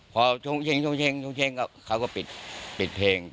พอช่วงเช่งเขาก็ปิดเพลง